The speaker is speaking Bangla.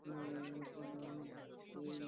নারী স্বেচ্ছাসেবিকাগণ এগিয়ে আসে।